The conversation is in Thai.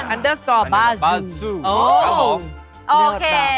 อันเดอร์สกอร์บาซูอ๋อโอเค